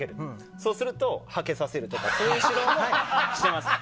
そうするとはけさせるとかそういう指導もしてます。